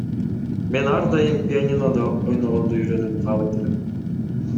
Мен ар дайым пианинодо ойногонду үйрөнүүнү каалайт элем.